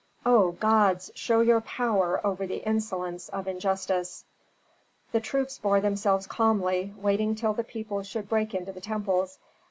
O gods show your power over the insolence of injustice." The troops bore themselves calmly, waiting till the people should break into the temples.